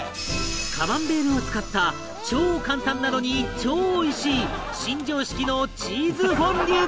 カマンベールを使った超簡単なのに超おいしい新常識のチーズフォンデュとは！？